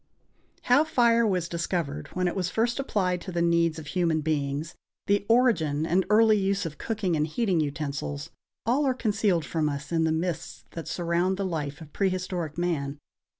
_ How fire was discovered, when it was first applied to the needs of human beings, the origin and early use of cooking and heating utensils, all are concealed from us in the mists that surround the life of prehistoric man.